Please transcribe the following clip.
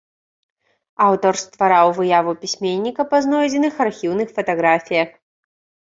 Аўтар ствараў выяву пісьменніка па знойдзеных архіўных фатаграфіях.